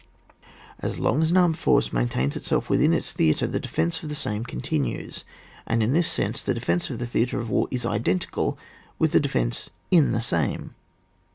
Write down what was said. As long as an armed force maintains itself within its theatre, the defence of the same continues, and in this sense the defence of the theatre of war is identical with the defence in the same.